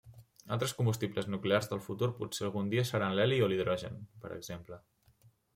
Altres combustibles nuclears del futur potser algun dia seran l'heli o l'hidrogen, per exemple.